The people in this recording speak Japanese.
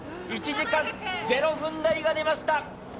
１時間０分台が出ました。